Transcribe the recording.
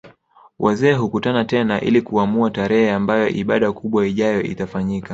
Wazee hukutana tena ili kuamua tarehe ambayo ibada kubwa ijayo itafanyika